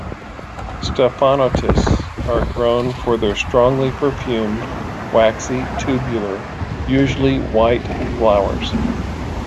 "Stephanotis" are grown for their strongly perfumed, waxy, tubular, usually white flowers.